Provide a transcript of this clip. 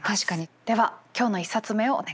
では今日の１冊目をお願いします。